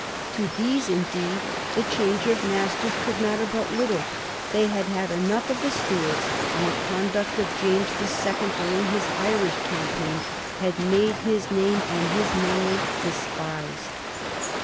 To these, hideed, the change of masters could matter but little ; they had had enough of the Stuarts, and the conduct of James the Second dming his Irish campaign had made his name and his memory despised.